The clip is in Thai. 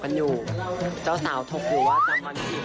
ก็เหมือนบาทงานอีเวนบอกว่าไม่ได้ตื่นเต้น